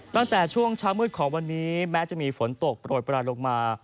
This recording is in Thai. ตั้งแต่ช่วงเช้ามืดของวันนี้แม้จะมีฝนตกโปรยปลายลงมา